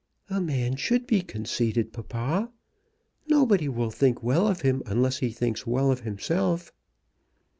"A man should be conceited, papa. Nobody will think well of him unless he thinks well of himself."